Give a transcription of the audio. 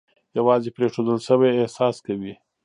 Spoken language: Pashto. یوازې پرېښودل شوی احساس کوي.